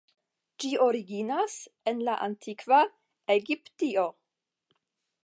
Ĝi originas en la antikva Egiptio.